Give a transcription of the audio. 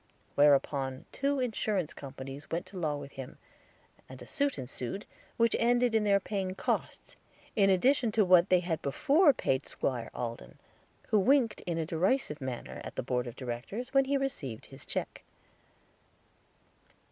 Whereupon two Insurance Companies went to law with him, and a suit ensued, which ended in their paying costs, in addition to what they had before paid Squire Alden, who winked in a derisive manner at the Board of Directors when he received its check.